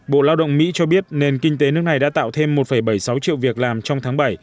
bộ lao động mỹ cho biết nền kinh tế nước này đã tạo thêm một bảy mươi sáu triệu việc làm trong tháng bảy